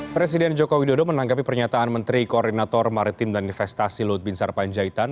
presiden joko widodo menanggapi pernyataan menteri koordinator maritim dan investasi lutbinsar panjaitan